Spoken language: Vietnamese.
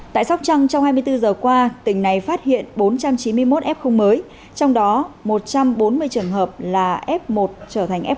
tại sóc trăng trong hai mươi bốn giờ qua tỉnh này phát hiện bốn trăm chín mươi một f mới trong đó một trăm bốn mươi trường hợp là f một trở thành f một